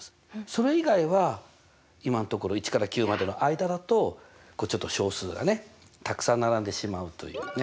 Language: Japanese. それ以外は今んところ１から９までの間だとこうちょっと小数がねたくさん並んでしまうというね。